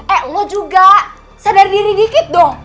eh lo juga sadar diri dikit dong